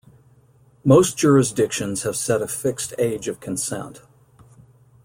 Most jurisdictions have set a fixed age of consent.